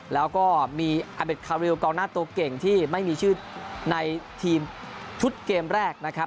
แล้วก็มีอาเด็ดคาริวกองหน้าตัวเก่งที่ไม่มีชื่อในทีมชุดเกมแรกนะครับ